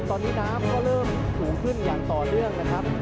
ตอนนี้น้ำก็เริ่มสูงขึ้นอย่างต่อเนื่องนะครับ